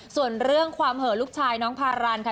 ส่วนเรื่องความเหอะลูกชายน้องพารันค่ะ